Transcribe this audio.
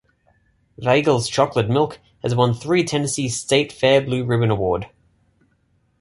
Weigel's chocolate milk has won three Tennessee State Fair Blue Ribbon award.